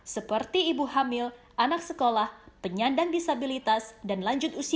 seperti ibu hamil anak sekolah penyandang disabilitas dan lanjut usia